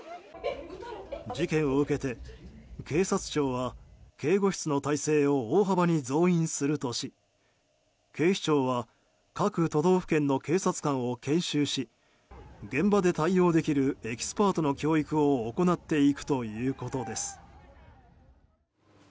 事件を受けて警察庁は警護室の体制を大幅に増員するとし警視庁は各都道府県の警察官を研修し現場で対応できるエキスパートの教育を行っていくということです。